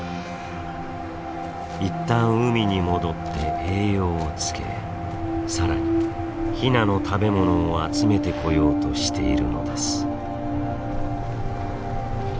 一旦海に戻って栄養をつけ更にヒナの食べ物を集めてこようとしているのです。